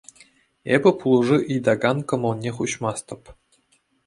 Эпӗ пулӑшу ыйтакан кӑмӑлне хуҫмастӑп.